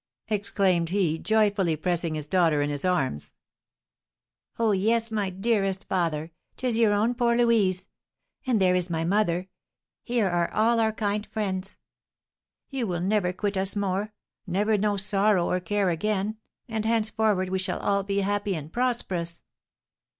exclaimed he, joyfully pressing his daughter in his arms. "Oh, yes, my dearest father, 'tis your own poor Louise! And there is my mother; here are all our kind friends. You will never quit us more, never know sorrow or care again, and henceforward we shall all be happy and prosperous!"